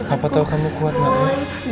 apa tau kamu kuat nanda